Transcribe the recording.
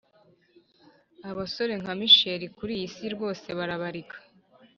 abasore nka michel kuriyisi rwose barabarika